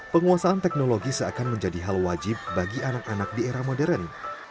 penguasaan teknologi seakan menjadi hal wajib bagi anak anak di era modern